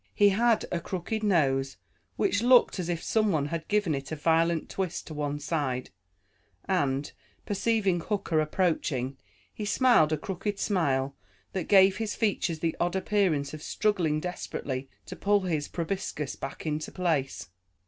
He had a crooked nose, which looked as if some one had given it a violent twist to one side, and, perceiving Hooker approaching, he smiled a crooked smile, that gave his features the odd appearance of struggling desperately to pull his proboscis back into place.